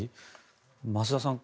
増田さん